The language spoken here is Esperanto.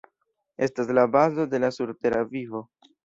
Estas la bazo de la surtera vivo.